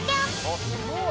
あっすごい！